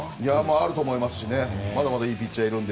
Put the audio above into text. あると思いますしまだまだいいピッチャーがいるし